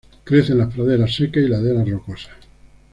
Crece en las praderas secas y laderas rocosas.